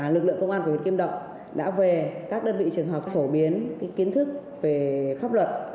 lực lượng công an của huyện kim động đã về các đơn vị trường học phổ biến kiến thức về pháp luật